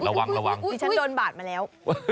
ระวังที่ฉันโดนบาดมาแล้ว